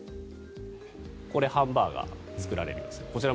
これ、ハンバーガーが作られている様子。